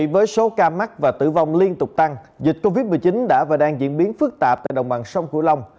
với số ca mắc và tử vong liên tục tăng dịch covid một mươi chín đã và đang diễn biến phức tạp tại đồng bằng sông cửu long